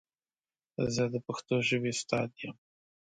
زه د پښتو ژبې استاد یم.